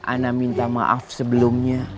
ana minta maaf sebelumnya